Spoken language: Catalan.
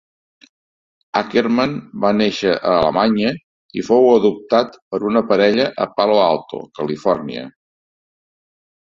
Ackerman va néixer a Alemanya i fou adoptat per una parella a Palo Alto, Califòrnia.